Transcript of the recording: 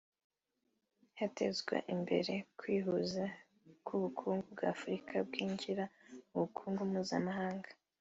hatezwa imbere kwihuza kw’ubukungu bwa Afurika bwinjira mu bukungu mpuzamahanga